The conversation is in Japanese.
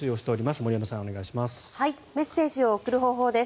森山さん、お願いします。